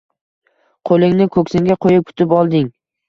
Qo’lingni ko’ksingga qo’yib kutib olding.